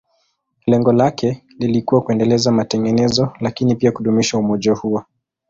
Lengo lake lilikuwa kuendeleza matengenezo, lakini pia kudumisha umoja huo.